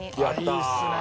いいですね。